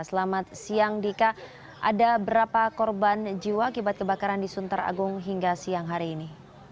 selamat siang dika ada berapa korban jiwa akibat kebakaran di sunter agung hingga siang hari ini